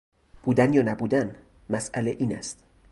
بودن یا نبودن، مسئله این است.